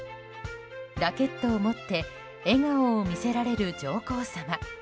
ラケットを持って笑顔を見せられる上皇さま。